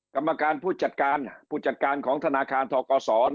กรรมการผู้จัดการผู้จัดการของธนาคารทกศ